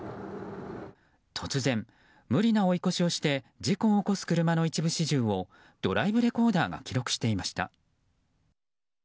突然、無理な追い越しをして事故を起こす車の一部始終をドライブレコーダーが記録していました。